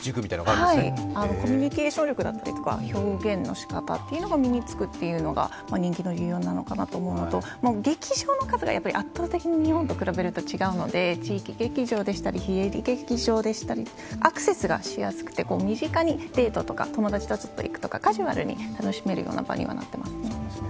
コミュニケーション力だったりとか表現の力が身につくっていうのが人気の理由なのかなと思うのと劇場の数が圧倒的に日本と比べると違うので地域劇場でしたり、非営利劇場でしたり、アクセスがしやすくて、身近にデートとか友達とちょっと行くとかカジュアルに楽しめる場にはなってますね。